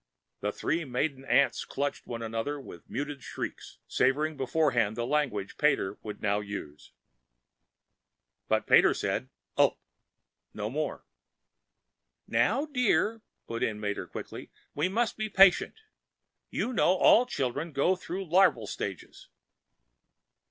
The three maiden aunts clutched one another with muted shrieks, savoring beforehand the language Pater would now use. But Pater said "Ulp!" no more. "Now, dear," put in Mater quickly. "We must be patient. You know all children go through larval stages."